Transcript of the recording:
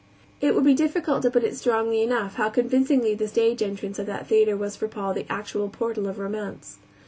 It would be difficult to put it strongly enough how convincingly the stage entrance of that theater was for Paul the actual portal of Romance.